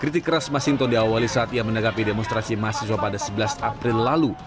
kritik keras mas sinton diawali saat ia menegapi demonstrasi mahasiswa pada sebelas april lalu